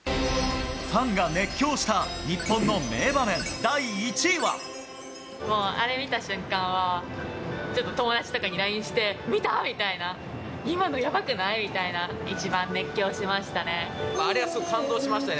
ファンが熱狂した日本の名場あれ見た瞬間は、ちょっと友達とかにＬＩＮＥして、見た！みたいな、今のやばくないみたいな、一番熱狂しましたね。